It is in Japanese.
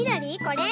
これ？